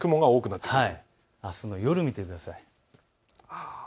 あすの夜、見てください。